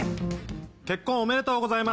結婚おめでとうございます。